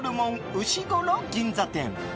うしごろ銀座店。